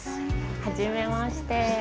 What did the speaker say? はじめまして。